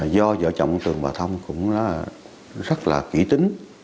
do vợ chồng ông tường và ông tường cũng rất là kỹ tính